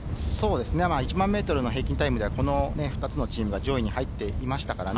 １００００ｍの平均タイムでは、この２つのチームが上位に入っています。